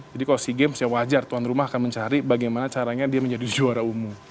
jadi kalau sea games ya wajar tuan rumah akan mencari bagaimana caranya dia menjadi juara umum